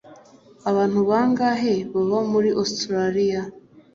abantu bangahe baba muri ositaraliya